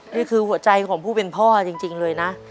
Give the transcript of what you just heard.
นี่คือหัวใจของผู้เป็นพ่อจริงเลยนะ